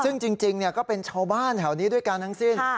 ซึ่งจริงก็เป็นชาวบ้านแถวนี้ด้วยกันทั้งสิ้น